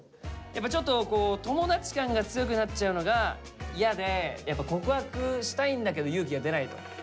やっぱちょっと友達感が強くなっちゃうのが嫌で告白したいんだけど勇気が出ないと。